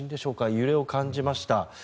揺れを感じました。